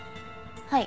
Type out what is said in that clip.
はい。